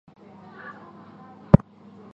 中国西藏是世界上盛产硼砂的地方之一。